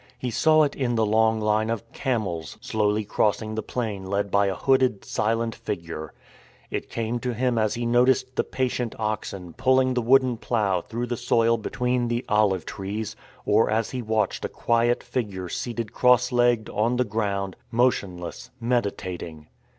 He saw it in the long line of camels slowly crossing the plain led by a hooded, silent figure. It came to him as he noticed the patient oxen pulling the wooden plough through the soil between the olive trees, or as he 120 THE FORWARD TREAD watched a quiet figure seated cross legged on the ground — motionless, meditating.